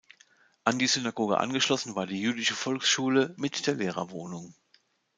An die Synagoge angeschlossen war die jüdische Volksschule mit der Lehrerwohnung.